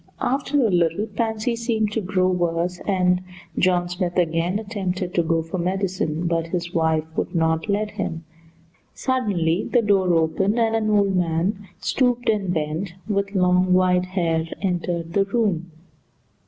After a little Pansy seemed to grow worse, and John Smith again attempted to go for medicine, but his wife would not let him. Suddenly the door opened, and an old man, stooped and bent, with long white hair, entered the room.